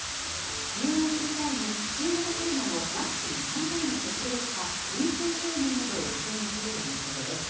入園する際に、新型コロナのワクチン３回の接種歴か陰性証明などを確認するということです。